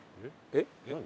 えっ？何？